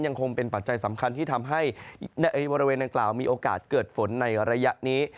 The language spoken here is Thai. ยังคงเป็นปัจจัยสำคัญที่ทำให้ในบริเวณดังกล่าวมีโอกาสเกิดฝนในระยะนี้